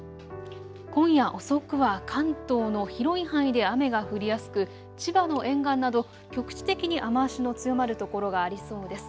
今夜遅くは関東の広い範囲で雨が降りやすく千葉の沿岸など局地的に雨足の強まる所がありそうです。